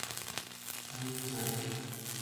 도망을 갔던 아이들이 살금살금 모여들어서 동혁을 에워쌌다.